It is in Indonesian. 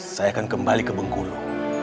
saya akan kembali ke bengkulu